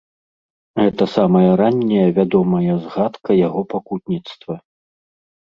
Гэта самая ранняя вядомая згадка яго пакутніцтва.